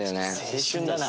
青春だな。